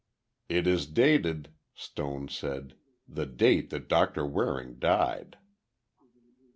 "It is dated," Stone said, "the date that Doctor Waring died."